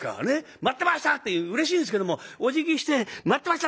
「待ってました！」ってうれしいんですけどもおじぎして「待ってました！